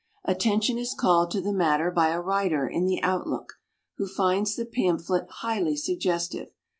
Attention is called to the matter by a writer in the Outlook, who finds the pamphlet highly suggestive.